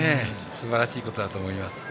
すばらしいところだと思います。